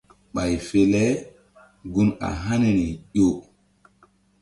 Ɓay fe le gun a haniri ƴo.